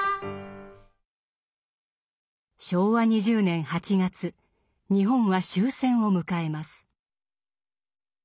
昭和２０年８月日本は終戦を迎えます。